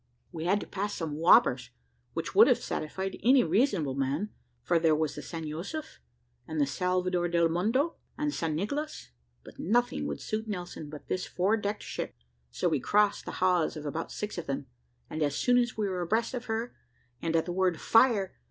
We had to pass some whoppers, which would have satisfied any reasonable man; for there was the San Josef, and Salvador del Mondo, and San Nicolas; but nothing would suit Nelson but this four decked ship; so we crossed the hawse of about six of them, and as soon as we were abreast of her, and at the word `Fire!'